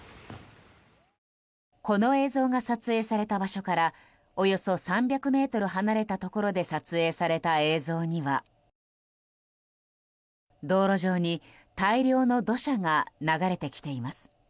この映像が撮影された場所からおよそ３００ｍ離れたところで撮影された映像には道路上に大量の土砂が流れてきています。